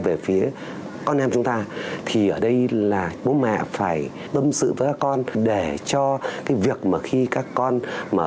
về phía con em chúng ta thì ở đây là bố mẹ phải tâm sự với con để cho cái việc mà khi các con mà bị